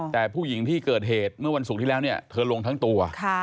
แต่ผู้หญิงที่เกิดเหตุเมื่อวันศุกร์ที่แล้วเนี่ยเธอลงทั้งตัว